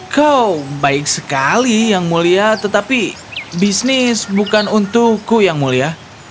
kau baik sekali yang mulia tetapi bisnis bukan untukku yang mulia